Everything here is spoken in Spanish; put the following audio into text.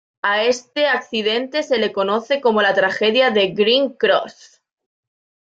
A este accidente se le conoce como la tragedia de Green Cross.